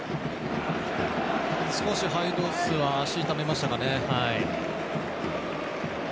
少しハイドースは足を痛めましたかね。